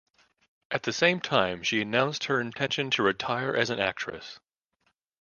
At the same time she announced her intention to retire as an actress.